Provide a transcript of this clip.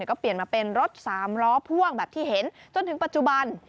ก็เปลี่ยนมาเป็นรถสามล้อพ่วงแบบที่เห็นจนถึงปัจจุบัน